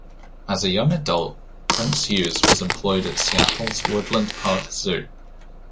As a young adult, Prince-Hughes was employed at Seattle's Woodland Park Zoo.